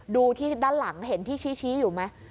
ดูที่ด้านหลังเห็นที่ชี้อยู่ไหม